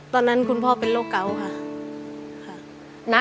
ตอนนั้นคุณพ่อเป็นโรคเกาค่ะ